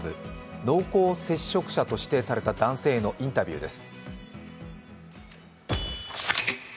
濃厚接触者として指定された男性のインタビューです。